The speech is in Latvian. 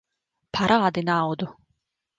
Parādi naudu!